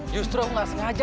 justru enggak sengaja